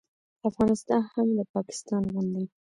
افغانستان هم د پاکستان غوندې